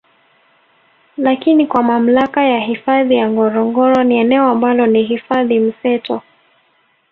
Lakini kwa mamlaka ya hifadhi ya Ngorongoro ni eneo ambalo ni hifadhi mseto